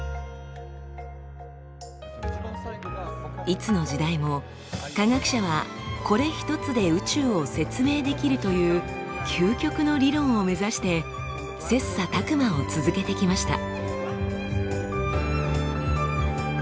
いつの時代も科学者はこれ一つで宇宙を説明できるという究極の理論を目指して切磋琢磨を続けてきました。